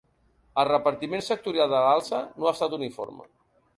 El repartiment sectorial de l’alça no ha estat uniforme.